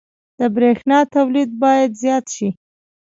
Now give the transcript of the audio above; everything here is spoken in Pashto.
• د برېښنا تولید باید زیات شي.